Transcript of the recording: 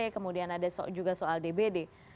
kemudian ada juga soal dbd